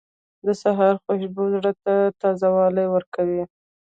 • د سهار خوشبو زړه ته تازهوالی ورکوي.